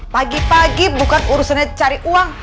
pagi pagi bukan urusannya cari uang